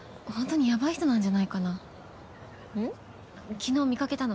昨日見かけたの。